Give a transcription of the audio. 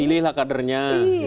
pilihlah kadernya gitu ya